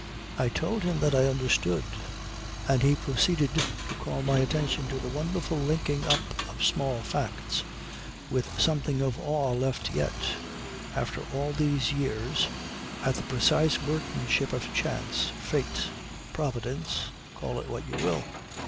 I told him that I understood; and he proceeded to call my attention to the wonderful linking up of small facts, with something of awe left yet, after all these years, at the precise workmanship of chance, fate, providence, call it what you will!